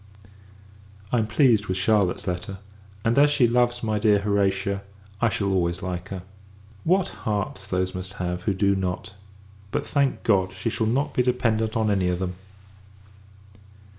I am pleased with Charlotte's letter; and, as she loves my dear Horatia, I shall always like her. What hearts those must have, who do not! But, thank God, she shall not be dependent on any of them.